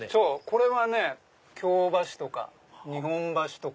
これはね京橋とか日本橋とか。